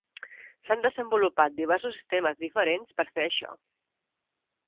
S'han desenvolupat diversos sistemes diferents per fer això.